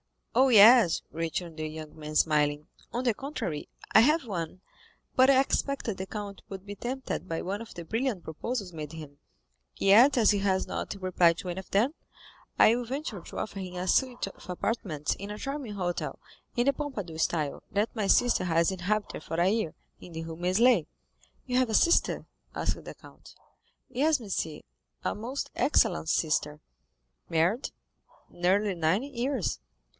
"Oh, yes," returned the young man, smiling; "on the contrary, I have one, but I expected the count would be tempted by one of the brilliant proposals made him, yet as he has not replied to any of them, I will venture to offer him a suite of apartments in a charming hotel, in the Pompadour style, that my sister has inhabited for a year, in the Rue Meslay." "You have a sister?" asked the count. "Yes, monsieur, a most excellent sister." "Married?" "Nearly nine years."